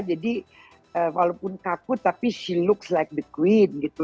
jadi walaupun kaku tapi dia terlihat seperti the queen gitu